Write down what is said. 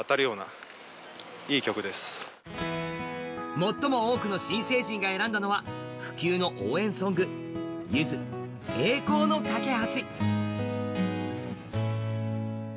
最も多くの新成人が選んだのは不朽の応援ソングゆず、「栄光の架橋」。